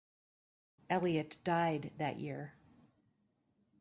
Elliott died that year.